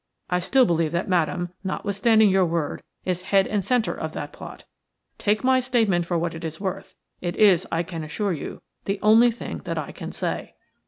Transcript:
I still believe that Madame, notwithstanding your word, is head and centre of that plot. Take my statement for what it is worth. It is, I can assure you, the only thing that I can say.